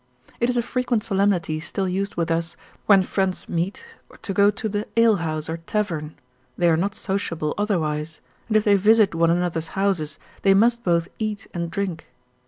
It is a frequent solemnity still used with us, when friends meet, to go to the alehouse or tavern, they are not sociable otherwise: and if they visit one another's houses, they must both eat and drink.